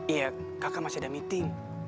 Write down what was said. iya kakak masih ada meeting